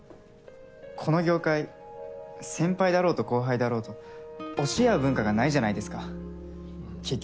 この業界先輩だろうと後輩だろうと教え合う文化がないじゃないですか。